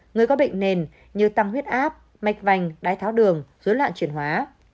người có bệnh nền như tăng huyết áp mạch vành đai tháo đường dưới loạn truyền hóa